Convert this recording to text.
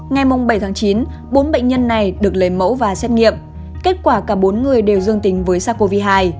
ngày bảy chín bốn bệnh nhân này được lấy mẫu và xét nghiệm kết quả cả bốn người đều dương tính với sars cov hai